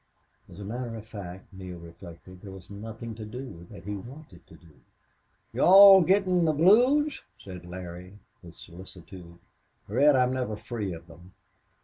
As a matter of fact, Neale reflected, there was nothing to do that he wanted to do. "You all air gettin' the blues," said Larry, with solicitude. "Red, I'm never free of them."